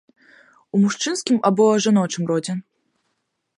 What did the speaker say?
У мужчынскім або жаночым родзе?